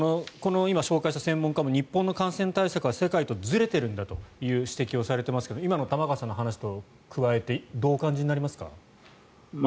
今紹介した専門家も日本の感染症対策は世界とずれているんだという話がありますが今の玉川さんの話に加えてどう思われますか？